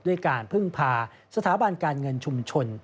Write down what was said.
การพึ่งพาสถาบันการเงินชุมชน